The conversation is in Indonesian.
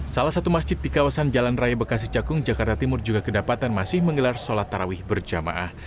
salah satu masjid di kawasan jalan raya bekasi cakung jakarta timur juga kedapatan masih menggelar sholat tarawih berjamaah